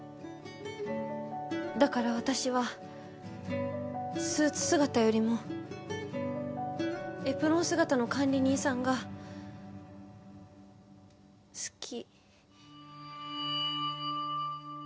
だから私はスーツ姿よりもエプロン姿の管理人さんが好き。